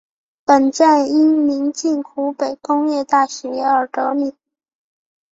本站因临近湖北工业大学而得名。